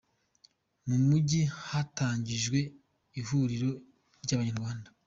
Mu Mujyi hatangijwe ihuriro ry’Abanyarwanda